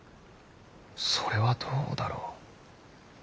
それはどうだろう。